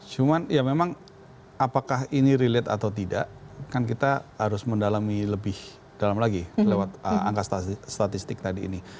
cuman ya memang apakah ini relate atau tidak kan kita harus mendalami lebih dalam lagi lewat angka statistik tadi ini